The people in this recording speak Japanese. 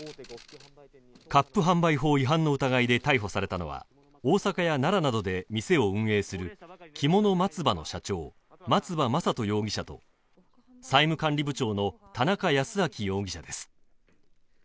割賦販売法違反の疑いで逮捕されたのは大阪や奈良などで店を運営するきもの松葉の社長・松葉将登容疑者と債務管理部長の田中保明容疑者です